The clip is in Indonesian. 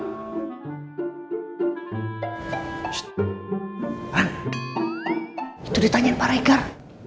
ssst kan itu ditanya pak regar